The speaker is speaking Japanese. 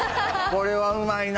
これはうまいな。